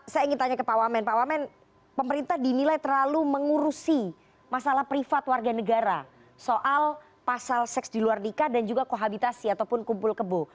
saya ingin tanya ke pak wamen pak wamen pemerintah dinilai terlalu mengurusi masalah privat warga negara soal pasal seks di luar nikah dan juga kohabitasi ataupun kumpul kebo